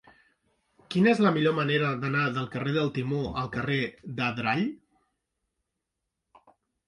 Quina és la millor manera d'anar del carrer del Timó al carrer d'Adrall?